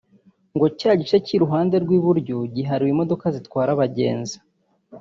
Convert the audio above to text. ngo cya gice cy’iruhande rw’iburyo giharirwe imodoka zitwara abagenzi